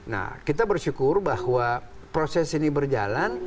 nah kita bersyukur bahwa proses ini berjalan